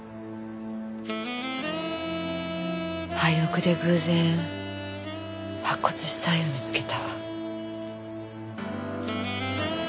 廃屋で偶然白骨死体を見つけた。